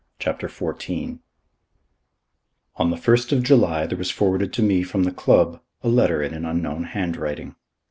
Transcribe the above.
CHAPTER XIV On the first of July there was forwarded to me from the club a letter in an unknown handwriting.